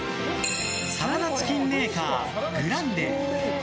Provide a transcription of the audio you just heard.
サラダチキンメーカーグランデ。